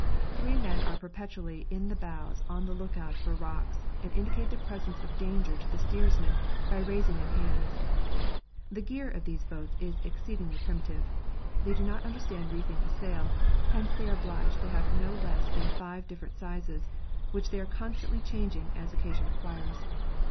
Three men are perpetually in the bows on the look out for rocks, and indicate the presence of danger to the steersman by raising their hands. The gear of these boats is exceedingly primitive. They do not understand reefing a sail, hence they are obliged to have no less than five different sizes, which they are constantly changing as occasion requires.